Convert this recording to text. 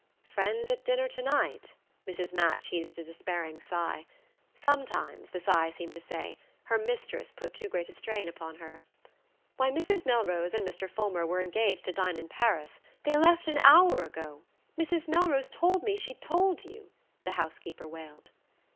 "Friends at dinner to night?" Mrs. Match heaved a despairing sigh. Sometimes, the sigh seemed to say, her mistress put too great a strain upon her. "Why, Mrs. Melrose and Mr. Fulmer were engaged to dine in Paris. They left an hour ago. Mrs. Melrose told me she'd told you," the house keeper wailed.